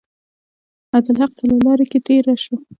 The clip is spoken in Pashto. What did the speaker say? عبدالحق څلور لارې کې ډیر رش و.